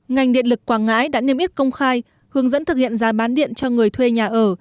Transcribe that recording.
ngành điện lực quảng ngãi đã niêm yết công khai hướng dẫn thực hiện giá bán điện cho người thuê nhà ở